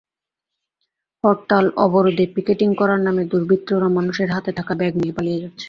হরতাল-অবরোধে picketing করার নামে দুর্বৃত্তরা মানুষের হাতে থাকা ব্যাগ নিয়ে পালিয়ে যাচ্ছে।